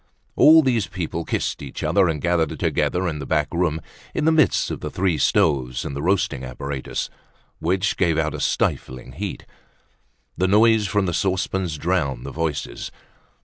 All these people kissed each other and gathered together in the back room in the midst of the three stoves and the roasting apparatus, which gave out a stifling heat. The noise from the saucepans drowned the voices.